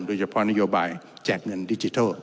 โดยเฉพาะนโยบายแจกเงินดิจิทัล